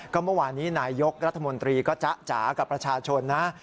เมื่อวานนี้นายยกรัฐมนตรีก็จ๊ะจ๋ากับประชาชนนะ